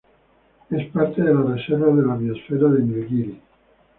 Es parte de la reserva de la biosfera de Nilgiri.